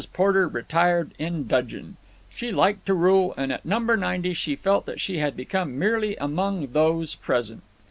Porter retired in dudgeon. She liked to rule, and at No. 90 she felt that she had become merely among those present.